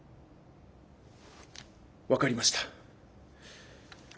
分かりました。